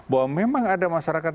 bahwa memang ada masyarakat